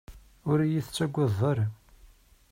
Ur iyi-tettagadeḍ ara.